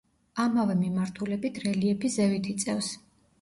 ამავე მიმართულებით რელიეფი ზევით იწევს.